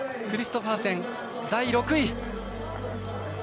クリストファーセン、第６位。